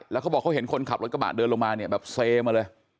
แล้วเขาบอกเขาเห็นคนขับรถกระบะเดินลงมาเนี่ยแบบเซมาเลย